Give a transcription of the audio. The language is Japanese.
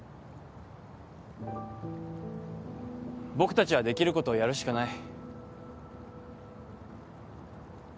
僕たちはできることをやるしかない。